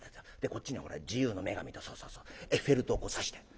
こっちには自由の女神とそうそうそうエッフェル塔を挿して」。